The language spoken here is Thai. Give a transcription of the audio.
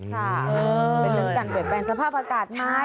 เป็นเรื่องการเปลี่ยนแปลงสภาพอากาศไหม